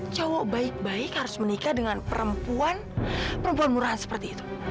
cowok baik harus menikah dengan perempuan perempuan murahan seperti itu